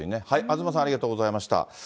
東さん、ありがとうございました。